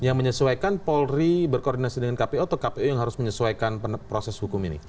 yang menyesuaikan polri berkoordinasi dengan kpu atau kpu yang harus menyesuaikan proses hukum ini